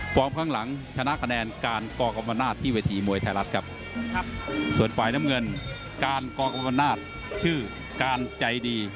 พร้อมข้างหลังชนะคะแนนการกรกรมนาฏที่วัฒน์มวยไทยรัฐครับ